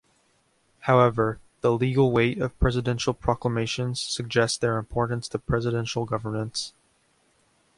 However, the legal weight of presidential proclamations suggests their importance to presidential governance.